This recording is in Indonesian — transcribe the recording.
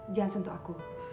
jangan sentuh aku